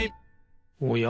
おや？